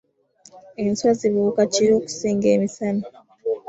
Enswa zibuuka kiro okusinga emisana.